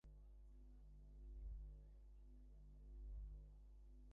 গবেষকেরা দাবি করেছেন, আগে ফেসবুকে জানাশোনা থাকলে মুখোমুখি দেখা করতে গেলে জটিলতা বাড়ে।